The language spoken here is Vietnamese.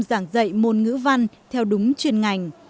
giảng dạy môn ngữ văn theo đúng chuyên ngành